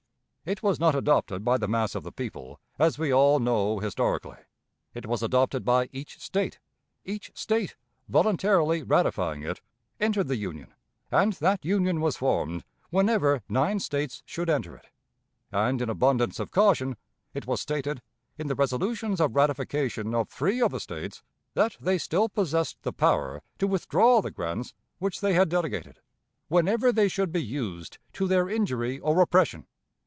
It was not adopted by the mass of the people, as we all know historically; it was adopted by each State; each State, voluntarily ratifying it, entered the Union; and that Union was formed whenever nine States should enter it; and, in abundance of caution, it was stated, in the resolutions of ratification of three of the States, that they still possessed the power to withdraw the grants which they had delegated, whenever they should be used to their injury or oppression.